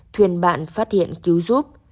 thuyền bạn phát hiện cứu giúp